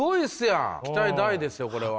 期待大ですよこれは。